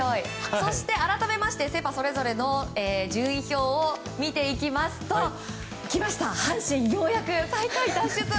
改めましてセ・パそれぞれの順位表を見ていきますと来ました、阪神ようやく最下位脱出。